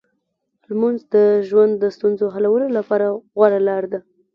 لمونځ د ژوند د ستونزو حلولو لپاره غوره لار ده.